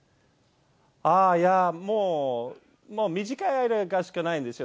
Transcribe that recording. もう、もう短い間しかないんですよ。